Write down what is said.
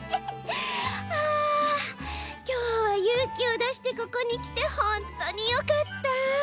あきょうはゆうきをだしてここにきてほんとうによかった！